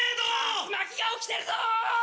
竜巻が起きてるぞ！